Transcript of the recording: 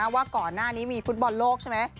ว่าก่อนหน้านี้มีฟุตบอลโลกใช่ไหม